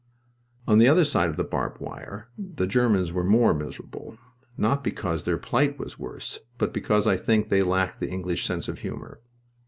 On the other side of the barbed wire the Germans were more miserable, not because their plight was worse, but because I think they lacked the English sense of humor.